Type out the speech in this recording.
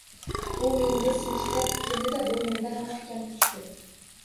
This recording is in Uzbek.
U menga sinchiklab tikildi-da, bo‘ynimdan mahkam quchdi.